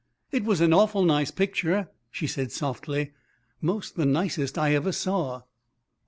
"It was an awful nice picture," she said softly. "'Most the nicest I ever saw."